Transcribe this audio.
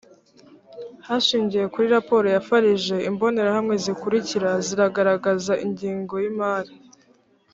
hashingiwe kuri raporo ya farg imbonerahamwe zikurikira ziragaragaza ingengo y imari